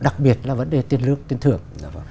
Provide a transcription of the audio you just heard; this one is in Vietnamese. đặc biệt là vấn đề tiền lương tiền thưởng